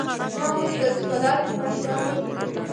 ما ولیدل چې په لاره کې ماشومان لوبې کوي